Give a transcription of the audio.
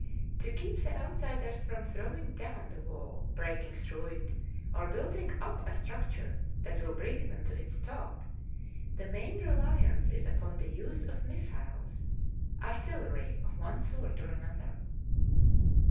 To keep the outsiders from throwing down the wall, breaking THE FIRST PERIOD through it, or building up a structure that will bring them to its top, the main reliance is upon the use of missiles — artillery of one sort or an other.